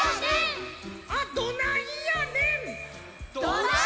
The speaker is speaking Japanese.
あっどないやねん！